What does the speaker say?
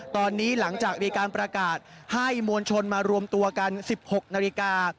ตอนนี้หลังจากมีการประกาศให้มวลชนมารวมตัวกัน๑๖นาฬิกา